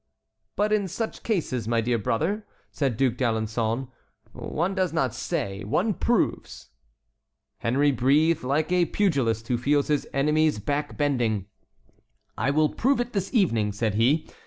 "But in such cases, my dear brother," said D'Alençon, "one does not say, one proves." Henry breathed like a pugilist who feels his enemy's back bending. "I will prove it this evening," said he.